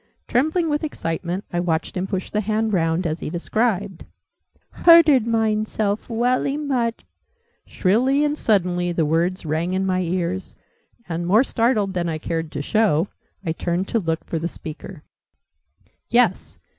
Trembling with excitement, I watched him push the hand round as he described. "Hurted mine self welly much!" Shrilly and suddenly the words rang in my ears, and, more startled than I cared to show, I turned to look for the speaker. Yes!